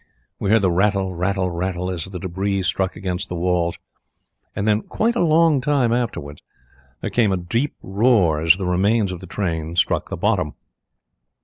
We heard the rattle, rattle, rattle, as the debris struck against the walls, and then, quite a long time afterwards, there came a deep roar as the remains of the train struck the bottom.